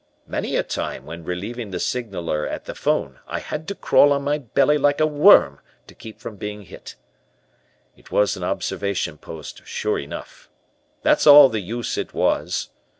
Many a time when relieving the signaler at the phone, I had to crawl on my belly like a worm to keep from being hit. "It was an observation post sure enough. That's all the use it was.